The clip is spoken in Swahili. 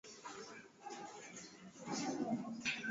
hadhira wanaweza kusikiliza maigizo ya redio bila kutazama